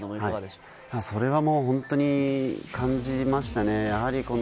それは本当に感じましたね。